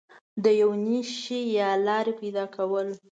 د یو نوي شي یا لارې پیدا کول